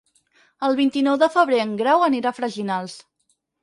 El vint-i-nou de febrer en Grau anirà a Freginals.